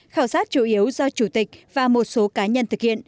khảo sát chủ yếu do chủ tịch và một số cá nhân thực hiện